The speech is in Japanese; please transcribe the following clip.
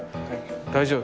大丈夫。